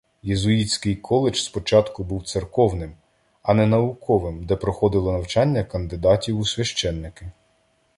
Єзуїтський коледж спочатку був церковним, а не науковим, де проходило навчання кандидатів у священики.